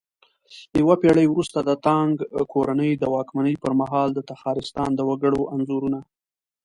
يوه پېړۍ وروسته د تانگ کورنۍ د واکمنۍ پرمهال د تخارستان د وگړو انځورونه